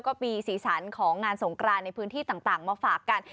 ก็มีสีสันของงานสงกรานในพื้นที่ต่างมาฝากกัน